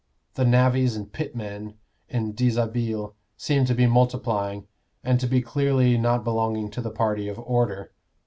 The navvies and pitmen in dishabille seemed to be multiplying, and to be clearly not belonging to the party of Order.